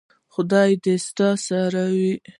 خدای دې ستا سره وي .